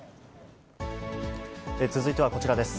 続いてはこちらです。